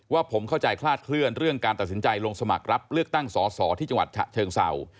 ว่าผมเข้าใจคลาดเคลื่อนเรื่องการตัดสินใจลงสมัครรับเลือกตั้งสอสอที่จังหวัดฉะเชิงเศร้า